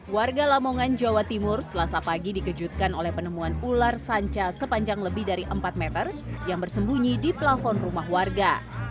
warga lamongan jawa timur selasa pagi dikejutkan oleh penemuan ular sanca sepanjang lebih dari empat meter yang bersembunyi di plafon rumah warga